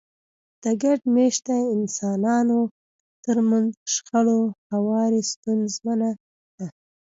د ګډ مېشته انسانانو ترمنځ شخړو هواری ستونزمنه وه.